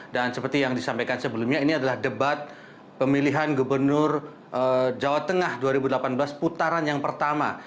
dan seperti yang disampaikan sebelumnya ini adalah debat pemilihan gubernur jawa tengah dua ribu delapan belas putaran yang pertama